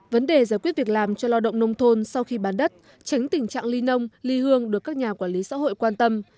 vấn đề giải quyết việc làm cho lao động nông thôn sau khi bán đất tránh tình trạng ly nông ly hương được các nhà quản lý xã hội quan tâm